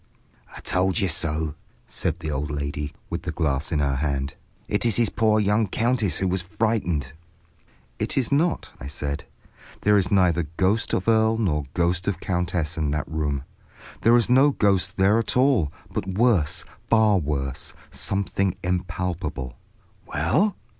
"I told you so," said the old lady, with the glass in her hand. "It is his poor young countess who was frightened—" "It is not," I said. "There is neither ghost of earl nor ghost of countess in that room; there is no ghost there at all, but worse, far worse, something impalpable—" "Well?"